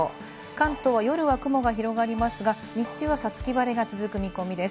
関東は夜は雲が広がりますが、日中は五月晴れが続く見込みです。